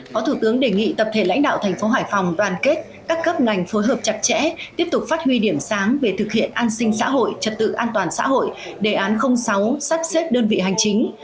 phó thủ tướng đề nghị tập thể lãnh đạo thành phố hải phòng đoàn kết các cấp ngành phối hợp chặt chẽ tiếp tục phát huy điểm sáng về thực hiện an sinh xã hội trật tự an toàn xã hội đề án sáu sắp xếp đơn vị hành chính